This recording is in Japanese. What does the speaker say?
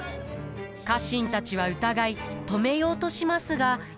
家臣たちは疑い止めようとしますが。